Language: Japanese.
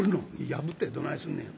「破ってどないすんねや。